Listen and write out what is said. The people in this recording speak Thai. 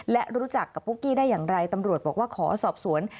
และรู้จักกับปุ๊กกี้ได้อย่างไรตำรวจบอกว่าขอสอบสวน